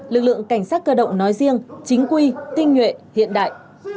lực lượng cảnh sát cơ động nói riêng chính quy tinh nhuệ hiện đại